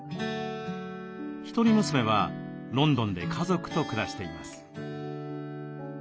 一人娘はロンドンで家族と暮らしています。